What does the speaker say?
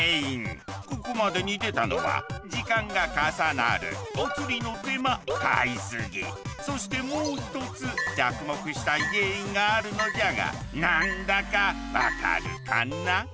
ここまでに出たのは時間が重なるおつりの手間買いすぎそしてもう一つ着目したい原因があるのじゃが何だか分かるかな？